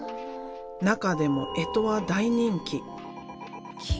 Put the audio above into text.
中でも干支は大人気。